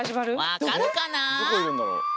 分かるかな？